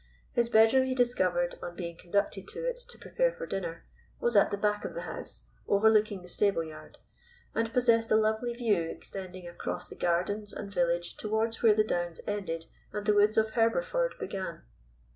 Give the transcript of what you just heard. His bedroom, he discovered, on being conducted to it to prepare for dinner, was at the back of the house, overlooking the stableyard, and possessed a lovely view, extending across the gardens and village towards where the Downs ended and the woods of Herberford began.